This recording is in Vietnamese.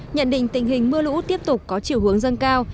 nhận định tình hình mưa lũ tiếp tục có chiều hướng dâng cao